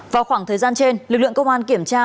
vào khoảng thời gian trên lực lượng công an kiểm tra